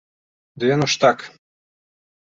Ды яно ж так.